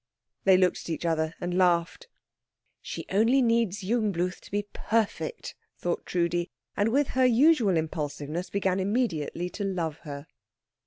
They looked at each other and laughed. "She only needs Jungbluth to be perfect," thought Trudi; and with her usual impulsiveness began immediately to love her.